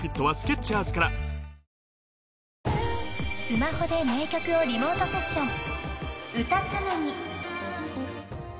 ［スマホで名曲をリモートセッション］